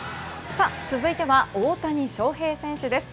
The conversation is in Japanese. さあ、続いては大谷翔平選手です。